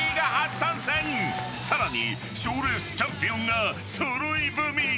［さらに賞レースチャンピオンが揃い踏み］